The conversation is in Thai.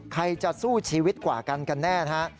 ใครจะสู้ชีวิตกว่ากันกันแน่นะฮะ